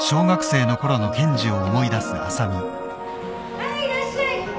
はいいらっしゃい！